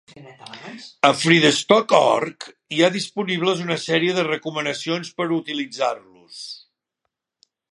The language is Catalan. A freedesktop.org hi ha disponibles una sèrie de recomanacions per utilitzar-los.